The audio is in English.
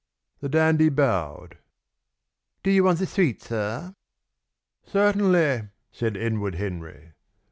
The dandy bowed. "Do you want a suite, sir?" "Certainly!" said Edward Henry.